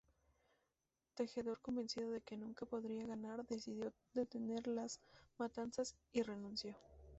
Tejedor, convencido de que nunca podría ganar, decidió detener las matanzas y renunció.